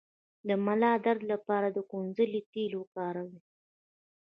د ملا درد لپاره د کونځلې تېل وکاروئ